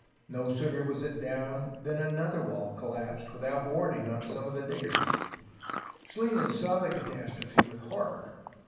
No sooner was it down than another wall collapsed without warning on some of the diggers. Schlie mann saw the catastrophe with horror.